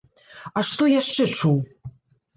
А што яшчэ чуў?